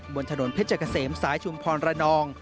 บนถนนเพชรเกษมสายชุมพรระนอง